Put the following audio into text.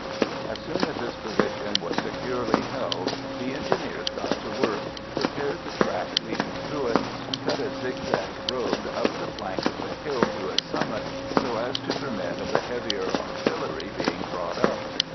As soon as this position was securely held the engineers got to work, prepared the track leading to it and cut a zigzag road up the flank of the hill to its summit, so as to permit of the heavier artillery being brought up.